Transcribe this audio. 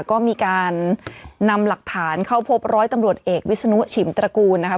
ก็มีการนำหลักฐานเข้าพบร้อยตำรวจเอกวิศนุชิมตระกูลนะคะ